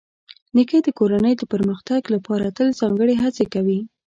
نیکه د کورنۍ د پرمختګ لپاره تل ځانګړې هڅې کوي.